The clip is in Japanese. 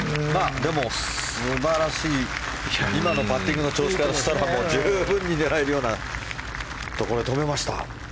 でも、素晴らしい今のパッティングの調子からしたら十分に狙えるようなところで止めました。